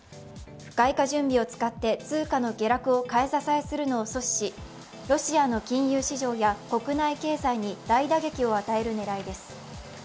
外貨準備を使って通貨の下落を買い支えするのを阻止し、ロシアの金融市場や国内経済に大打撃を与える狙いです。